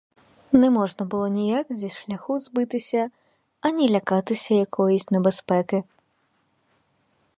Не можна було ніяк зі шляху збитися, ані лякатися якоїсь небезпеки.